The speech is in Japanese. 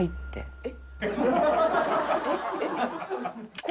えっ！？